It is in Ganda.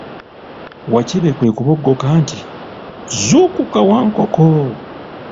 Wakibe kwe kuboggoka nti, zuukuka Wankoko!